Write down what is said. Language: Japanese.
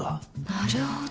なるほど。